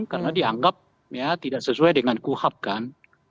karena dianggap ya tidak sesuai dengan kuhab kan